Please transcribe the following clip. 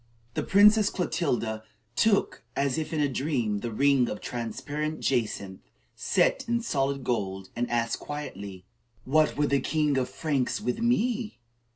The Princess Clotilda took, as if in a dream, the ring of transparent jacinth set in solid gold, and asked quietly: "What would the king of the Franks with me?"